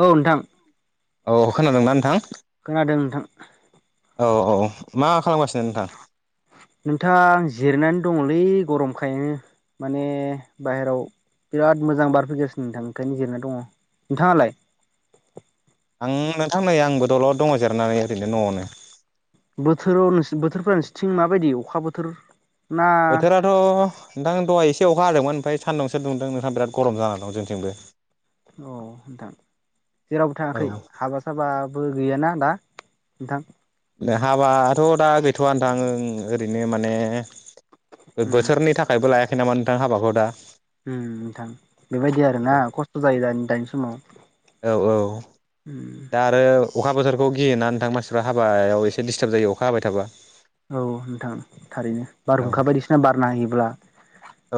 औ नोंथां औ खोनादों ना नोंथां खोनादों नोंथां औ औ मा खालामगा नोंथां जिरायनानै दङलै गरमखायनो माने बाहेराव बिराद मोजां बार फैगासिनो नोंथां ओंखायनो जिरना दङ नोंथाङालाय आं नोंथां नै आंबो दलद दङ जिरनानै ओरैनो न'आवनो बोथोरोव नोंसि बोथोरफोरा नोंसोरथिं माबायदि अखा बोथोर ना बोथोराथ' नोंथां दहाय ए से अखा हादोंमोन ओमफ्राय सान्दुंसो दुंदों नोंथां बिराद गरम जाना दं जोंथिंबो अ नोंथां जेरावबो औ थाङाखै हाबा साबा बो गैयाना दा नोंथां हाबाथ' दा गैथ'वा नोंथां ओं ओरैनो माने उम बोथोरनि थाखायबो लायाखै नामा नोंथां हाबाखौ दा उम नोंथां बेबायदि आरोना खस्थ' जायो दानि दानि समाव औ औ उम दा आरो अखा बोथोरखौ गियोना नोंथां मानफ्रा हाबायाव एसे दिस्टार्ब जायो अखा हाबाय थाबा औ नोंथां थारैनो औ बारहुंखा बायदिसिना बारना होयोब्ला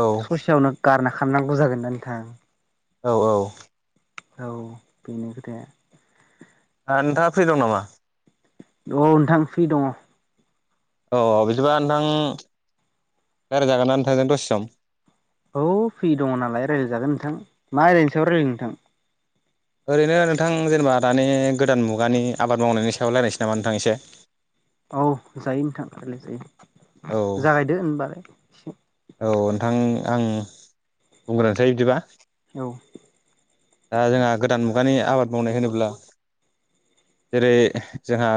औ ससेयावनो गारना खारनांगौ जागोन ना नोंथां औ औ औ बेनो खोथाया ओ नोंथाङा फ्रि दं नामा अ नोंथां फ्रि दङ औ बिदिबा नोंथां रायलाय जागोनना नोंथांजों दसे सम औ फ्रि दङ नालाय रायलायजागोन नोंथां मा आयदानि सायाव रायलायनो नोंथां ओरैनो नोंथां जेनेबा दानि गोदान मुगानि आबाद मावनायनि सायाव रायलायनोसै नामा नोंथां एसे औ जायो नोंथां रायलाय जायो औ जागायदो होनबालाय एसे औ नोंथां आं बुंग्रोनोसै बिदिबा औ दा जोंहा गोदान मुगानि आबाद मावनाय होनोब्ला जेरै जोंहा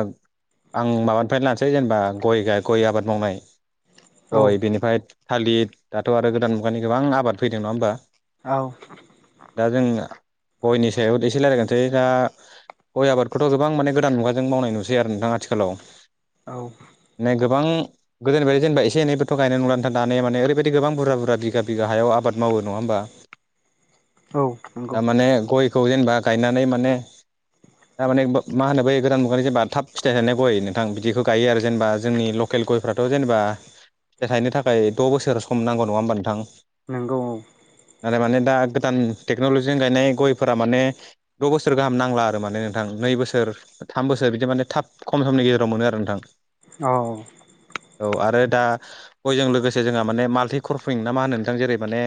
आं माबानिफ्रायनो लानोसै जेनेबा गय गय आबाद मावनाय औ गय बिनिफ्राय थालिर दाथ' आरो गोदान मुगानि गोबां आबाद फैदों नङा होमबा औ दा जों गयनि सायाव' एसे रायलाय सै दा गय आबादखौथ' गोबां माने गोदान मुगाजों मावनाय नुसै आरो नोंथां आथिखालाव औ नै गोबां गोदोनि बायदि जेनेबा एसे एनैबोथ' गायनाय नंला दा दाने माने ओरैबायदि गोबां बुरजा बुरजा बिघा बिघा हायाव आबाद मावो नङा होनबा औ नंगौ खौ जेनेबा गायनानै माने थारमाने बो मा होनो बै गोदान मुगानि जेनबा थाब फिथाइ थायनाय गय नोंथां बिदिखौ गायो आरो जेनेबा जोंनि ल केल गयफ्राथ' जेनेबा फिथाय थायनो थाखाय द' बोसोर सम नांगौ नङा होमबा नोंथां नंगौ नाथाय माने दा गोदान टेक्न'लजिजों गायनाय गयफोरा माने द' बोसोर गाहाम नांला आरो माने नोंथां नै बोसोर थाम बोसोर बिदि माने थाब खम समनि गेजेराव मोनो आरो नोंथां औ औ आरो दा गयजों लोगोसे जोंहा माने माल्टि कर्फइं ना मा होनो नोंथां जेरै माने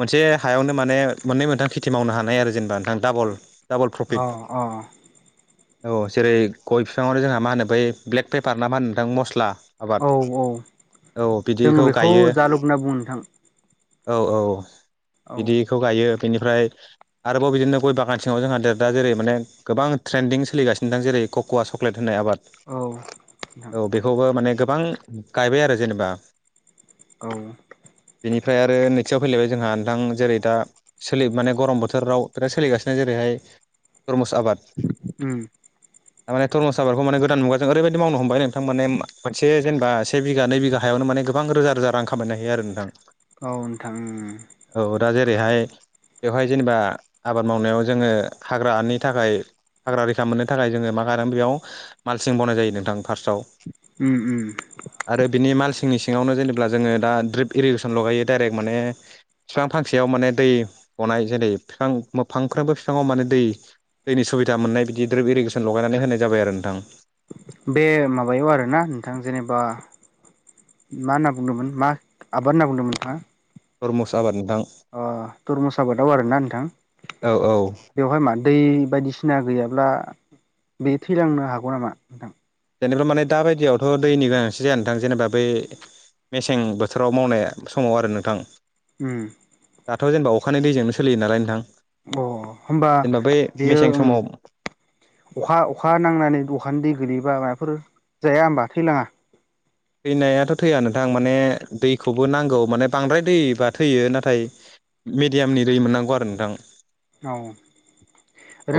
मोनसे हायावनो माने मोननै मोनथाम खेथि मावनो हानाय आरो जेनेबा नोंथां दाबल अ अ औ जेरै गय बिफाङावनो जोंहा मा होनो बै ब्लेक पेपार ना मा होनो नोंथां मस्ला आबाद औ औ औ जों बिदिखौ बेखौ गायो जालुग होनना बुङो नोंथां औ औ औ बिदिखौ गायो। बेनिफ्राय आरोबाव बिदिनो गय बागान सिङाव जोंहा देर दा जेरै माने गोबां ट्रेन्दिं सोलिगासिनो नोंथां। जेरै क'वा चक्लेट होनाय आबाद नोंथां औ बेखौबो माने गोबां गायबाय आरो जेनेबा औ बेनिफ्राय आरो नैथियाव फैलायबाय जोंहा नोंथां जेरै दा सोलि माने गरम बोथोराव बिराद सोलिगासिनो। जेरैहाय टरमुस आबाद उम थार माने टरमुस आबादखौ माने गोदान मुगाजों ओरैबायदि मावनो हमबाय नोंथां माने मोनसे जेनेबा से बिघा नै बिघा हायाव माने गोबां रोजा रोजा रां खामाय हायो आरो नोंथां औ नोंथां उम ओरैहाय बेवहाय जेनेबा आबाद मावनायाव जोङो हाग्राानि थाखाय हाग्रा रैखा मोननो थाखाय जोङो मा खालामो बेयाव मालसिं बनाय जायो नोंथां फार्स्टआव उम उम आरो बिनि माल सिंनि सिङावनो जेनेब्ला जोङो दा ड्रिप इरिगेसन लगायो डाइरेक्ट माने बिफां फांसेयाव माने दै गनाय जेरै बिफां फांफ्रोमबो बिफाङाव माने दै दैनि सुबिदा मोननाय बिदि द्रोब इरिगेसन लगाय नानै होनाय जाबाय आरो नोंथां बे माबायाव आरोना नोंथां जेनेबा मा होनना बुंदोंमोन मा आबाद होनना बुंदोंमोन नोंथाङा? टरमुस आबादनि अ टुरमुस आबादाव आरोना नोंथां औ औ बेवहाय मा दै बायदिसि सिना गैयाब्ला बे थैलांनो हागौ नामा नोंथां? जेनेबा माने दा बायदियावथ' दैनि गोनांथि जाया नोंथां जेनेबा बै मेसें बोथोराव मावनाय समाव आरो नोंथां उम दाथ' जेनेबा अखानि दैजोंनो सोलियो लानाय नोंथां अ होनोमबा जेनेबा बै बेयो मेसें उम समाव अखा अखा नांनानै अखानि दै गोगलैयोबा माबाफोर जाया होमबा थैलाङा? थैनायाथ' थैया नोंथां माने दैखौबो नांगौ माने बांद्राय दैबा थैयो। नाथाय मेडियामनि दै मोननांगौ आरो नोंथां औ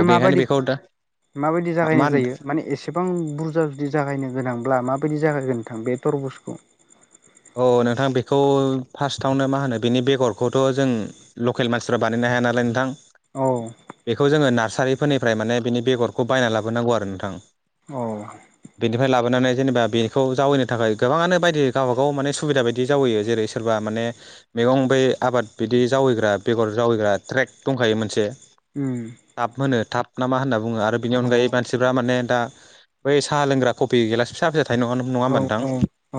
अ बेखायनो माबायदि बेखौ दा माबायदि मा जागायनाय जायो माने एसेबां बुरजा जुदि जागायनो गोनांब्ला माबायदि जागायगोन। थां बे थरबुसखौ औ नोंथां बेखौ फार्स्टआवनो मा होनो बेनि बेगरखौथ' जों लकेल मानसिफ्रा बानायनाय हाया नालाय नोंथां औ बेखौ जोङो नार्सारिफोरनिफ्राय माने बिनि बेगरखौ बायना लाबोनांगौ आरो नोंथां औ लाबानानै जेनेबा बेखौ जावैनो थाखाय गोबाङानो बायदि गावबा गाव बाव माने सुबिदा बायदि जावैयो जेरै सोरबा माने मैगं ब आबाद बिदि जावैग्रा बेगर जावै ग्रा ट्रेक दंखायो मोनसे। उम थाब होनो थाब नामा होनना बुङो आरो बिनि औ अनगायै मानसिफ्रा माने दा बै साहा लोंग्रा कफि गिलास फिसा फिसा थाइ नङा नङा औ होमबा औ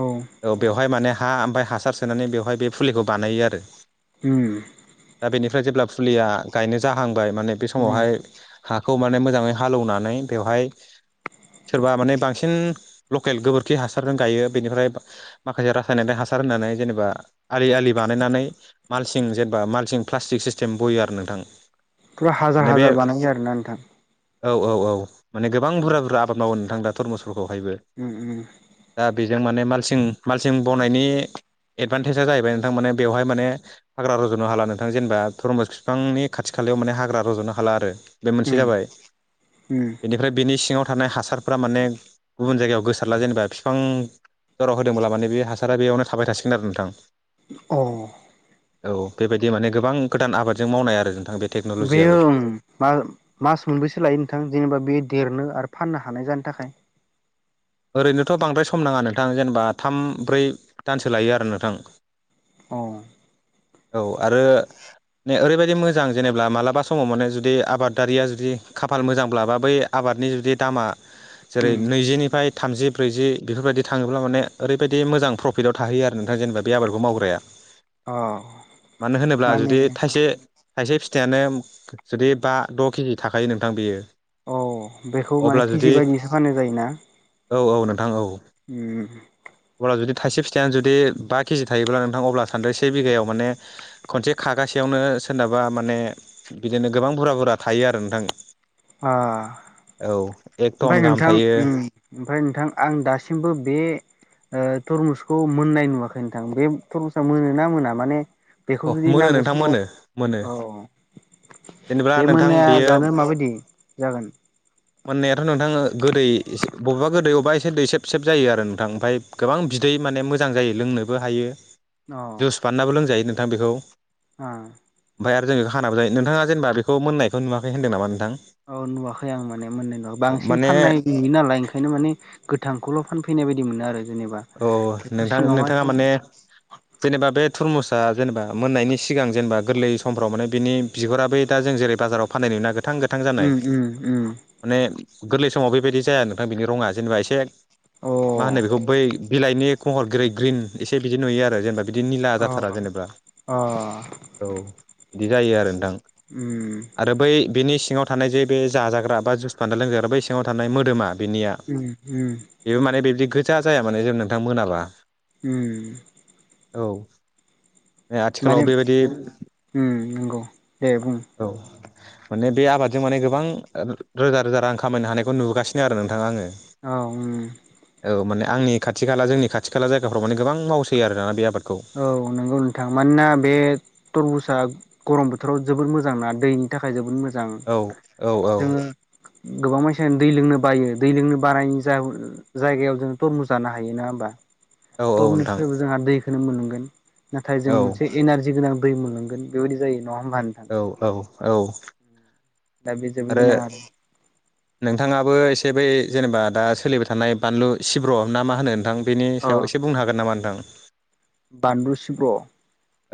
औ ओमफाय माने हा ओमफफ्राय हासार सोनानै बेवहाय बे फुलिखौ बानायो आरो उम दा बेनिफ्राय जेब्ला फुलिया गायनो जाहांबाय माने बे उम समावहाय हाखौ माने मोजाङै हालेवनानै बेवहाय सोरबा माने बांसिन लकेल गोबोरखि हासारजों गायो बेनिफ्राय माखासे रासायनारि हासार होननानै जेनेबा आलि आलि बानायनानै मालसिं जेनेबा मालसिं प्लास्टिक इ सिस्टेम बयो आरो नोंथां फुरा हाजार माने बे हाजार बानायो आरोना नोंथां औ औ औ माने गोबां बुरजा बुरजा आबाद मावो नोंथां दा धरमुसफोरखौहायबो उम उम दा बे जों माने मालसिं मालसिं बनायनि एदभान्टेजस जाहैबाय नोंथां माने बेवहाय माने हाग्रा रज'नो हला नोंथां जेनेबा थरमस बिफांनि खाथि खाला मान हाग्रा रज'नो हाला आरो बे मोनसे उम जाबाय उम बेनिफ्राय बेनि सिाव थ थानाय हासारफोरा माने गुबुन जायगायाव गोसारला जेनेबा बिफां जर होदोंब्ला माने बे हासारा बेयावनो थाबाय थासिगोन आरो नोंथां अ औ बेबायदि माने गोबां गोदान आबादजों मावनाय आरो नोंथां बे टेक्न'लजियाबो बेयोओ म मास मोनबैसो लायो नोंथां जेनेबा बे देरनो आरो फाननो हानाय जानो थाखाय ओरैनोथ' बांद्राय सम नाङा नोंथां जेनेबा थाम ब्रै दानसो लायो आरो नोंथां औ औ आरो माने ओरैबायदि मोजां जेनेबा मालाबा समाव माने जुदि आबादारिया जुदि खाफाल मोजांब्ला बा बै आबाद आबादनि जुदि दामा जेरै उम नैजिनिफ्राय थामजि ब्रैजि बेफोरबायाददि थाङोब्ला माने ओरैबायदि मोजां प्रफिटआव थाहैयो आरो नोंथां जेनेबा बे आबादखौ मावग्राया अ मानो होनोब्ला माने जुदि थाइसे थाइसे फिथाइानो जुदि बा द' केजि थाखायो नोंथां बेयो औ बेखौ माने अब्ला केजि जुदि बायदिसो फाननाय जायोना औ औ नोंथां औ ए अब्ला जुदि थायसे फिथायानो बा केजि थायोब्ला नोंथां अब्ला सानदो से बिघायाव माने खनसे खागासेयावनो नोङो सोरनाबा माने बिदिनो गोबां बुरजा बुरजा थायो आरो नोंथां आ‌ औ एक टन ओमफ्राय गाहाम नोंथां थायो उम ओमफ्राय नोंथां आं दासिमबो बे थरमुसखौ मोननाय नुवाखै नोंथां बे थरमुसा मोनो ना मोना माने अ बेखौ जुदि मोनो नांगौ नोंथां समाव मोनो मोनो औ जेनेबा बे नोंथां मोननाया बेयो जानो माबायदि जागोन मोननायाथ' नोंथां गोदै बबेावबा गोदै बबेबा एसे दैसेब सेब जायो आरो नोंथां ओमफ्राय गोबां बि दै माने मोजां जायो लोंनोबो हायो जुस बाननाबो लोंजायो नोंथां बेखौ हा ओमफ्राय आरो हानाबो जायो नोंथांङा जेनबा बेखौ मोननायखौ नुवाखै होनदों नाोंथां औ नुवाखै आं माने मोननाय नुवाखै बांसिन माने फाननाय नुयो नालाय ओंखायनो माने गोथां गल' फानफैनाय बायदि मोनो आरो जेनेबा औ बेखौ नोंथां नोंथाङा सिङावहायथ' माने जेनेबा बे थुरमुस दा जेनेबा मोननायनि सिगां जेनेबा गोरलै समफ्राव माने बिनि बिगुराबो दा जों जेरै बाजाराव फाननाय नुयो ना गो गोथां गोथां जानाय उम उम उम माने गोरलै समाव बेबायदि जाया नोंथां बिनि रङा जेनेबा एसे अ मा होनो बेखौ बै लाइनि खहर गै ग्रिन एसे बिदि नुयो आरो जेनेबा बिदि निला अ जाथारा जेनेबा अ औ बिदि जायो आरो नोंथां उम आरो बै बिनि सिङाव थानाय जे बे जाजाग्रा बा जुस बान्दा लोंजाग्रा बै सिङाव थानाय मोदोमा बिनिया उम उम बेबो माने बिबदि गोजा जाया माने जे नोंथां मोनाब्ला उम औ आथिखालाव माने बेबायदि उम नंगौ दे बुं औ माने बे आबादजों माने गोबां रोजा रोजा रां खामायनो हानायखौ नुगासिनो आरो नोंथाङा आङो औ औ माने आंनि खाथि खाला जोंनि खाथि खाला जायगाफ्राव माने गोबां मावसै आरो दाना बे आबाद औ नंगौ नोंथां मानोना बे तरमुसा गरम बोथोराव जोबोर मोजां ना दैनि थाखाय जोबोद मोजां औ - औ - औ जोङो गोबां मानसियानो दै लोंनो बायो दै लोंनो बानायनि जायगायाव जोंङो थरमु जानो हायो ना होमबा औ औ नोंथां थरमुसजों जोंहा दैखौनो मोनगोन नाथाय जों औ मोनसे एनारजि गोनां दै मोनलोंगोन बेबायदि जायो नंङा होमबा नोंथां औ औ औ दा बे जोबोर आरो गोनां नोंथांङाबो एसे जे बै जेनेबा दा सोलिबाय थानाय बानलु सिब्र' ना मा होनो नोंथां बेनि अ सायाव एसे बुंनो हागोन नामा नोंथां [inaudible] बानलु सिब्र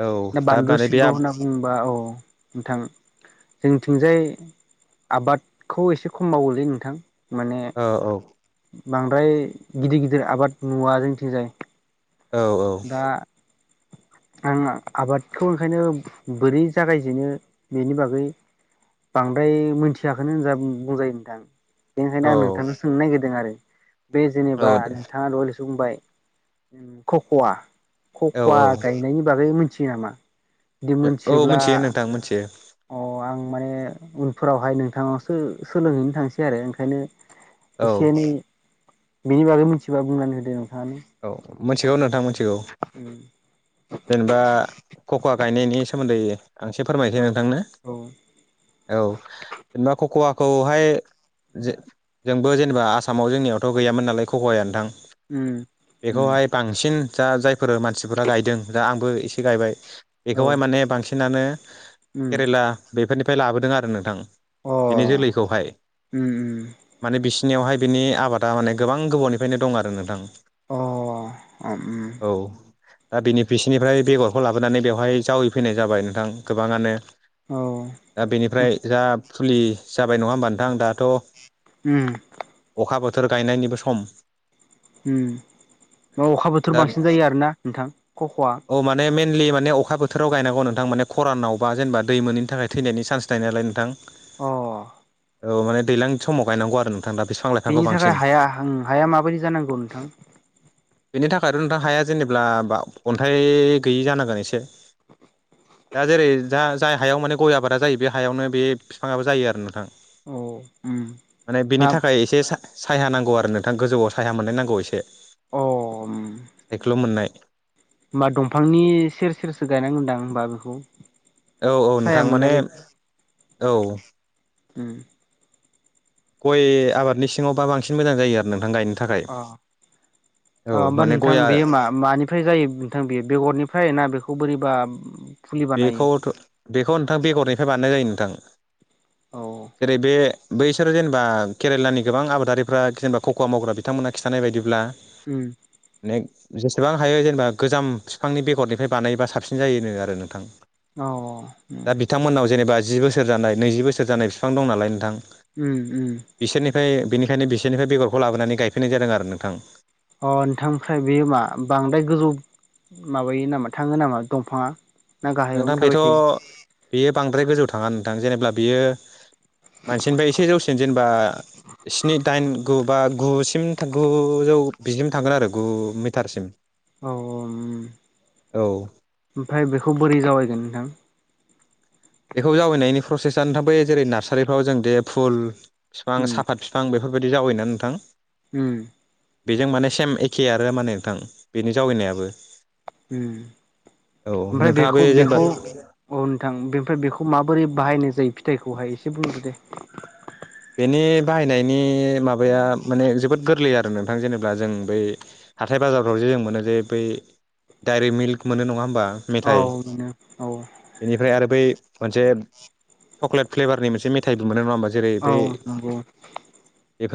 औ दा बानलु माने बे सिब्र औ होनना बुंङोब्ला औ नोंथां जोंथिंजाय आबादखौ एसे खम मावोलै नोंथां माने औ- औ बांद्राय गिदिर - गिदिर आबाद नुवा जोंथिंजाय औ - औ दा आं आबादखौ ओंखायनो बोरै जागायजेनो बेनि बागै बांद्राय मिथियाखैनो होनना बुंजायो नोंथां बेनिखायनो औ आं नोंथांनो सोंनो नागिरदों आरो बे औ जेनेबा दे नोंथांङा ल बुं बुंबाय खख'वा औ खख'वा औ गायनायनि बागै मिथियो नामा बिदि औ मोनथिब्ला मिथियो नोंथां मिथियो अ आं माने उनफोरावहाय नोंथांनावसो सोलोंहैनो थांसै आरो ओंखायनो औ एसे एनै बेनि बागै मिथिबा बुंनानै होदो नोंथाङानो औ मोनथिगौ नोंथां मोनथिगौ जेनेबा खख' गायनायनि सोमोन्दै आं एसे फोरमायनोसै औ नोंथांनो औ औ जेनेबा खक'वा खौहाय ज जोंबो जेनेबा आसामाव जोंनियावथ' गैयामोन नालाय खख'वाया नोंथां उम उम बेखौहाय बांसिन जा जायफोर मानसिफोरा गायदों दा आंबो एसे गायबाय औ बेखौहाय माने बांसिनानो उम केरेला बे बेफोरनिफ्राय लाबोदों आरो नोंथां अ बेनि उम जोलैखौहाय उम माने बिसि बिनियावहाय बिनि आबादा माने गोबां गोबावनिफ्रायनो दं आरो नोंथां अ [unintelligible] औ दा बिनि बिसिोरनिफ्राय बेगरखौ लाबोनानै बेवहाय जावैफैनाय जाबाय नोंथां गोबाङांनो औ दा बेनिफ्राय जा फुलि जाबाय नंङा होमबा नोंथां दाथ' उम अखा बोथोर गायनायनिबो सम उ अखा बोथोर दा बांसिन जायो आरो ना नोंथां खख'आ औ माने मे मेनलि माने अखा बोथोराव गायनांगौ नोंथां माने खरानावबा जेनेबा दै मोनैनि थाखाय थैनायनि चान्स थायोनालाय नोंथां अ औ माने दैज्लां समाव गायनांगौ आरो न बेनि थाखाय हाया हाया माबायदि जानांगौ नोंथां बेनि थाखायथ' नोंथां हाया जेनेबब्लाा अन्थाइ गैयि जानांगोन एसे दा जेरै दा जाय हायाव माने गय आबादा जायो बे हायावनो बे बिफाङाबो जायो आरो नोंथां औ उम माने मा बिनि अ थाखाय एसे सा होमबा दंफांनि सेर सेरसो गायनांगोनदां होमबा बेखौ औ औ साया नोंथां मोननाय माने बायदि औ उम गय आबादनि सिङावबा बांसिन मोजां जायो आरो नोंथां गायनो थाखाय औ औ होमबा माने नोंथां गया बेयो मा मानिफ्राय जायो नोंथां बे बेगरनिफ्राय ना बे खौ बोरै बा बेखौ बेखौ नोंथां बेगरनिफ्राय बानायनाय जायो नोंथां औ जेरै बे बैसोरो जेनेबा केरेलानि गोबां आबादारिफ्रा जेनेबा खक'वा मावग्रा बिथांमोना खिथानाय बायदिब्ला उम माने जेसेबां हायो जेनेबा गोजाम बिफांनि बेगरनिफ्राय बानायबा साबसिन जायोनो आरो नोंथां अ उम दा बिथांमोननाव जेनेबा जि बोसोर जानाय नैजि बोसोर जानाय बिफां दं नालाय नोंथां उम उम बिसोरनिफ्राय बेनिखायनो बिसोरनिफ्राय बेगरखौ लाबोनानै गायफैनाय जादों आरो नोंथां अ नोंथां ओमफ्राय बेयो मा बांद्राय गोजौ माबायो नामा थाङो नामा दंफाङा ना नोंथां गाहायावनो बेथ' थाबाय थायो बेयो बांद्राय गोजौ थाङा नोंथां जेनेब्ला बियो मानसिनिफ्राय एसे जौसिन जेनेबा स्नि दाइन गु बा गुसिम गु जौ बिदिनो थांगोन आरो गु मिटारसिम औ औ ओम औ ओफ्राय बेखौ बोरै जावायगोन नोंथां बेखौ जावैनायनि प्रसेसआा नोंथां जेरै नार्सारिफ्राव जों दे फुल बिफां उम साफात बिफां बेफोरबायदि जावायोना नोंथां उम बेजों माने सेम एखे आरो माने नोंथां बेनि जावैनायाबो उम औ ओमफ्राय नोंथाङा बे बेखौ जेनेबा बेखौ औ नोंथां बेनिफ्राय बेखौ खौ माबोरै बाहायनाय जायो फिथाइखौहाय एसे बुंदो दे बेनि बाहायनायनि माबाया माने जोबोद गोरलै आरो नोंथां जेनेबा जों बै हाथाय बाजारफ्राव जे जों मोनो जे बै डायरि मिल्क मोनो नङा होमबा औ मेथाइ मोनो औ बेनिफ्राय आरो बै मोनसे सकलेट फ्लेभारनि मोनसे मेथाइबो मोनो नङा होमबा जेरै बै औ नंगौ बेफोर